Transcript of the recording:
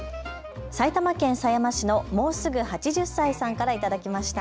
埼玉県狭山市のもうすぐ８０歳さんから頂きました。